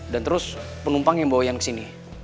dan terus penumpang yang bawa ian kesini